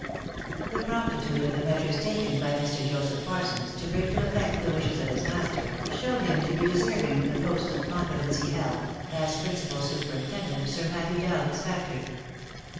The promptitude of the measures taken by Mr. Joseph Parsons, to bring to effect the wishes of his master, showed him to be de serving the post of confidence he held, as principal superintendent of Sir Matthew Dowling's factory.